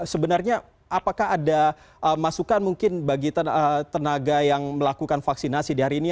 sebenarnya apakah ada masukan mungkin bagi tenaga yang melakukan vaksinasi di hari ini